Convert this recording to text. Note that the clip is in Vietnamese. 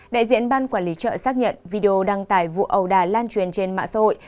đại diện ban quản lý chợ xác nhận video đăng tải vụ ầu đà lan truyền trên mạng xã hội